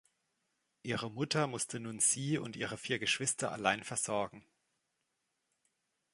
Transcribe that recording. Ihre Mutter musste nun sie und ihre vier Geschwister allein versorgen.